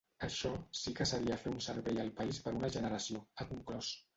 Això sí que seria fer un servei al país per una generació, ha conclòs.